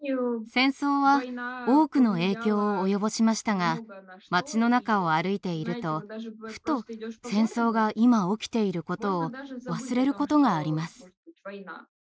戦争は多くの影響を及ぼしましたが町の中を歩いているとふと戦争が今起きていることを忘れることがあります。